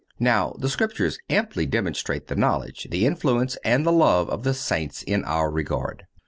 Now the Scriptures amply demonstrate the knowledge, the influence and the love of the Saints in our regard.